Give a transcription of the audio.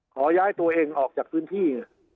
ขอย้ายตัวเองออกจากพื้นที่